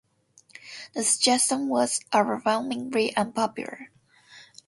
The suggestion was overwhelmingly unpopular.